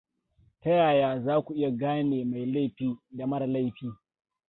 Ta yaya za ku iya gane mai laifi da mara laifi?